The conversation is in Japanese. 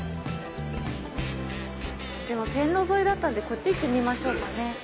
線路沿いだったんでこっち行ってみましょうかね。